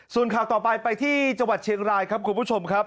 ส่วนข่าวต่อไปไปที่จังหวัดเชียงรายครับคุณผู้ชมครับ